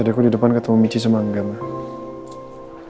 tadi aku di depan ketemu michi sama angga mas